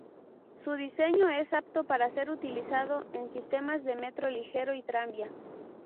Su diseño es apto para ser utilizado en sistemas de metro ligero y tranvía.